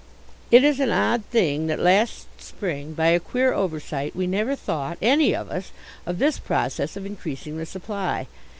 It is an odd thing that last spring, by a queer oversight, we never thought, any of us, of this process of increasing the supply.